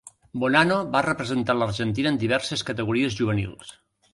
Bonano va representar l'Argentina en diverses categories juvenils.